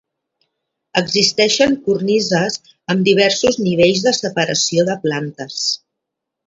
Existeixen cornises amb diversos nivells de separació de plantes.